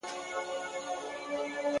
پرېښودلای خو يې نسم_